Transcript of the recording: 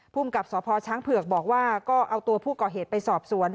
ภูมิกับสพช้างเผือกบอกว่าก็เอาตัวผู้ก่อเหตุไปสอบสวน